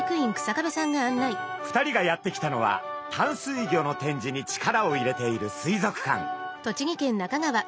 ２人がやって来たのは淡水魚の展示に力を入れている水族館。